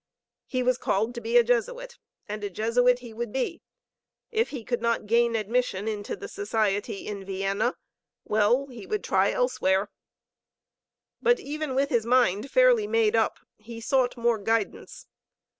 lie was called to be a Jesuit, and a Jesuit he would be. If he could not gain admission into the Society in Vienna, well, he would try elsewhere. But even with his mind fairly made up, he sought more guidance.